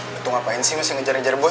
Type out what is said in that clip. betul ngapain sih masih ngejar ngejar boy